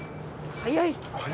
早い。